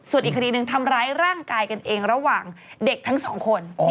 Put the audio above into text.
ส่วนอีกคดีหนึ่งทำร้ายร่างกายกันเองระหว่างเด็กทั้งสองคน